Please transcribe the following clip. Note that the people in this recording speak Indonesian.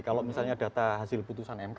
kalau misalnya data hasil putusan mk